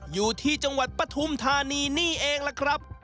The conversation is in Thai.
อยู่ที่จังหวัดปฐุมธานีนี่เองล่ะครับ